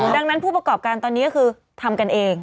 ดังนั้นผู้ประกอบการตอนนี้ก็คือทำกันเอง